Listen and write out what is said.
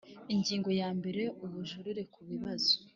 Ingingo ya mbere Ubujurire ku bibazo